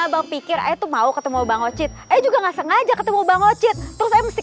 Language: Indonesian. abang pikir itu mau ketemu bang ocit aja juga enggak sengaja ketemu bang ocit terus saya mesti